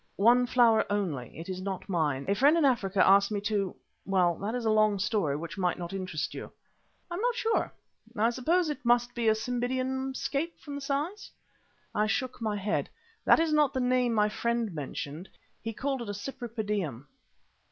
"One flower only. It is not mine. A friend in Africa asked me to well, that is a long story which might not interest you." "I'm not sure. I suppose it must be a Cymbidium scape from the size." I shook my head. "That's not the name my friend mentioned. He called it a Cypripedium."